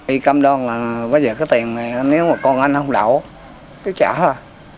y căm đoan là bây giờ cái tiền này nếu mà con anh không đậu cứ trả ra